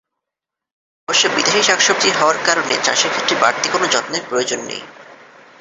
অবশ্য বিদেশি শাকসবজি হওয়ার কারণে চাষের ক্ষেত্রে বাড়তি কোনো যত্নের প্রয়োজন নেই।